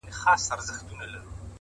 نن شپه له رويا سره خبرې وکړه”